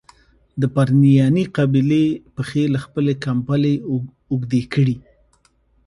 د پرنیاني قبیلې پښې له خپلي کمبلي اوږدې کړي.